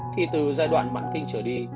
thì từ giai đoạn mãn kinh trở đi